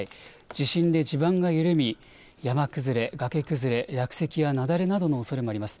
地震で地盤が緩み、山崩れ、崖崩れ落石や雪崩などのおそれもあります。